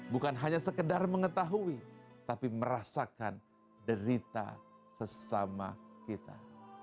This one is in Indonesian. bukan hanya sekedar mengetahui tapi merasakan derita sesama kita